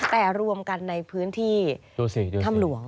แต่รวมกันในพื้นที่ถ้ำหลวง